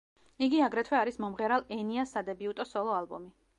იგი აგრეთვე არის მომღერალ ენიას სადებიუტო სოლო ალბომი.